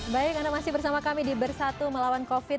baik anda masih bersama kami di bersatu melawan covid sembilan